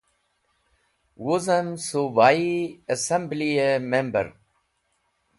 Wuzem Subhai Assemblye Member